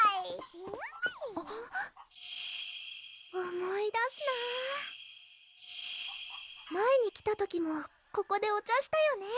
思い出すなぁ前に来た時もここでお茶したよね